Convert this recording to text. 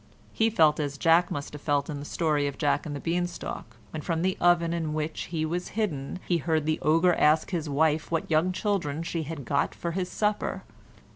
He felt as Jack must have felt in the story of Jack and the Bean Stalk, when from the oven in which he was hidden he heard the ogre ask his wife what young children she had got for his supper.